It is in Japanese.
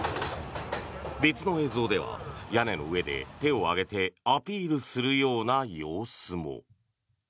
別の映像では屋根の上で手を上げてアピールするような様子も。